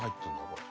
これ。